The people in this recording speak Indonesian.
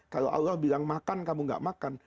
kalau allah bilang makan kamu gak makan